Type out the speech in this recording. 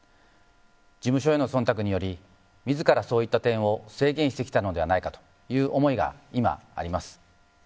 事務所への忖度により自ら、そういった点を制限してきたのではないかという思いが今あります。